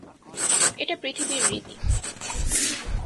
এটা পৃথিবীর রীতি।